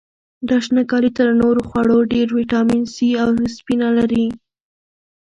دا شنه کالي تر نورو خوړو ډېر ویټامین سي او وسپنه لري.